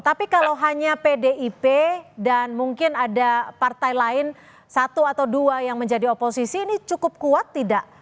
tapi kalau hanya pdip dan mungkin ada partai lain satu atau dua yang menjadi oposisi ini cukup kuat tidak